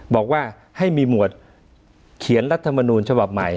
บอกว่าให้มีหมวดเขียนรัฐมนูลฉบับใหม่